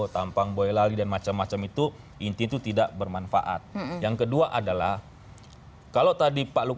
terima kasih terima kasih